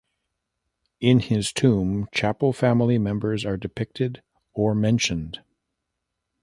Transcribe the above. In his tomb chapel family members are depicted or mentioned.